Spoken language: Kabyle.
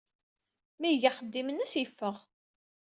Mi ay iga axeddim-nnes, yeffeɣ.